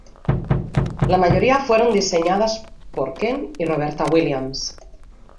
La mayoría fueron diseñadas por Ken y Roberta Williams.